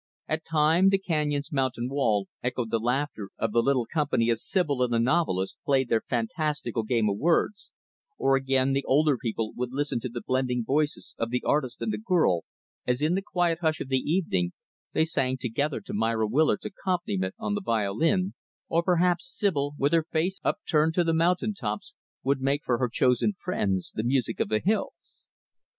At times, the canyon's mountain wall echoed the laughter of the little company as Sibyl and the novelist played their fantastical game of words; or again, the older people would listen to the blending voices of the artist and the girl as, in the quiet hush of the evening, they sang together to Myra Willard's accompaniment on the violin; or, perhaps, Sibyl, with her face upturned to the mountain tops, would make for her chosen friends the music of the hills.